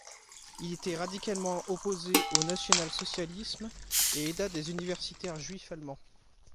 Il était radicalement opposé au national-socialisme et aida des universitaires juifs allemands.